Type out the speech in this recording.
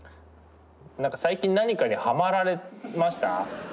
最近何かにハマられました？